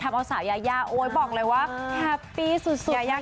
ทำเอาสาวพลังกินนะคะโอ๊ยบอกเลยว่าแฮปปี้สุดไม่อยากได้